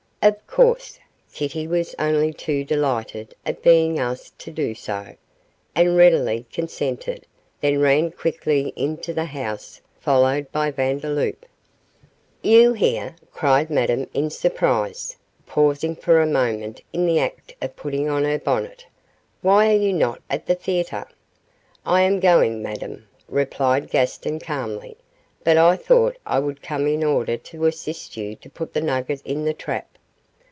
Of course, Kitty was only too delighted at being asked to do so, and readily consented, then ran quickly into the house, followed by Vandeloup. 'You here?' cried Madame, in surprise, pausing for a moment in the act of putting on her bonnet. 'Why are you not at the theatre?' 'I am going, Madame,' replied Gaston, calmly, 'but I thought I would come up in order to assist you to put the nugget in the trap.